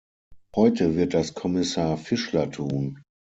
Heute wird das Kommissar Fischler tun.